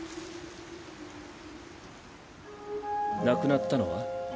亡くなったのは？